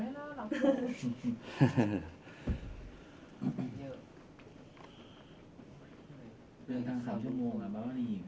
เดินทาง๓ชั่วโมงล่ะบ้างว่าหนูยิง